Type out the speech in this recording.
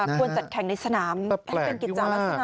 ควรจัดแข่งในสนามให้เป็นกิจจันทร์แล้วสนามน่ะ